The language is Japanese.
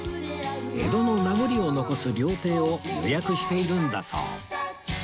江戸の名残を残す料亭を予約しているんだそう